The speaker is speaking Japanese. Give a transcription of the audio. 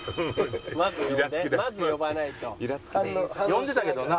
呼んでたけどな。